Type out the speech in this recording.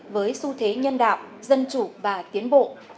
với xu thế nhân đạo dân chủ và tiến bộ